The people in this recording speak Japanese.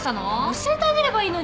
教えてあげればいいのに。